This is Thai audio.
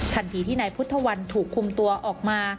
ทันทีที่นายพุทธวันถูกคุมตัวออกมา